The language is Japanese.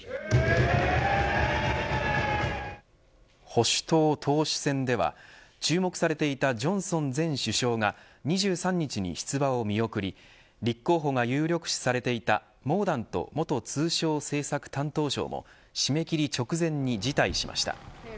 保守党党首選では注目されていたジョンソン前首相が２３日に出馬を見送り立候補が有力視されていたモーダント元通商政策担当相も締め切り直前に辞退しました。